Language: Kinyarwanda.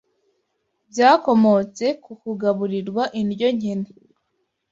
byakomotse ku kugaburirwa indyo nkene.